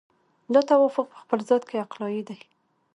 دا توافق په خپل ذات کې عقلایي دی.